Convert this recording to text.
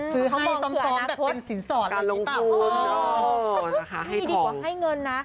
ซื้อทองแบบเป็นสินสอดเหรอครับโอ้โฮนะคะให้ทองไม่ดีกว่าให้เงินนะ